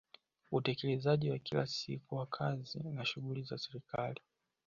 Utekelezaji wa kila siku wa kazi na shughuli za Serikali